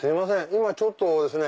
今ちょっとですね